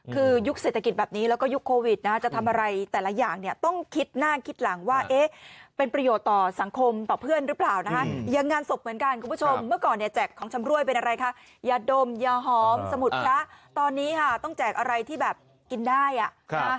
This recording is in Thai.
คือยุคเศรษฐกิจแบบนี้แล้วก็ยุคโควิดนะจะทำอะไรแต่ละอย่างเนี่ยต้องคิดหน้าคิดหลังว่าเอ๊ะเป็นประโยชน์ต่อสังคมต่อเพื่อนหรือเปล่านะคะอย่างงานศพเหมือนกันคุณผู้ชมเมื่อก่อนเนี่ยแจกของชำรวยเป็นอะไรคะยาดมยาหอมสมุดพระตอนนี้ค่ะต้องแจกอะไรที่แบบกินได้อ่ะค่ะ